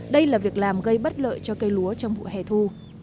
đây là việc làm gây bất lợi cho cây lúa trong vụ hẻ thu